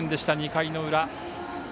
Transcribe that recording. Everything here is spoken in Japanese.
２回の裏。